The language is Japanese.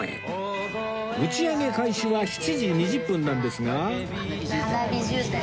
打ち上げ開始は７時２０分なんですが